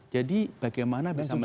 jadi bagaimana bisa meningkat